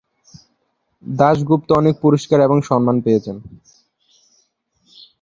দাশগুপ্ত অনেক পুরস্কার এবং সম্মান পেয়েছেন।